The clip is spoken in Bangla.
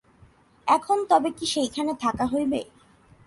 এখন তবে কি সেইখানেই থাকা হইবে?